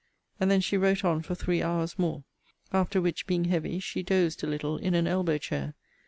And then she wrote on for three hours more: after which, being heavy, she dozed a little in an elbow chair.